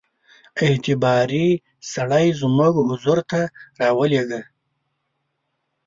اعتباري سړی زموږ حضور ته را ولېږه.